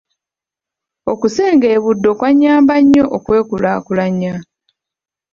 Okusenga e Buddu kwannyamba nnyo okwekulaakulanya.